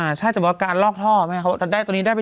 ใช่แต่การลอกท่ออันนี้ได้ไป๗๐